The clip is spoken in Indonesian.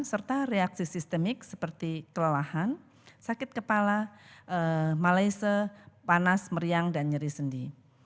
serta reaksi sistemik seperti kelelahan sakit kepala malese panas meriang dan nyeri sendi